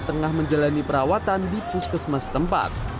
tengah menjalani perawatan di puskesmas tempat